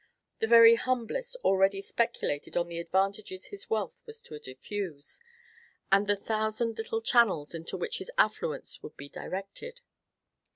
The very humblest already speculated on the advantages his wealth was to diffuse, and the thousand little channels into which his affluence would be directed.